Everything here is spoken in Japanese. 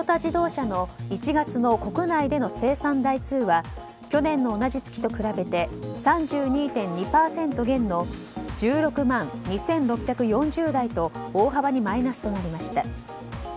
トヨタ自動車の１月の国内の生産台数は去年の同じ月と比べて３２．２％減の１６万２６４０台と大幅にマイナスとなりました。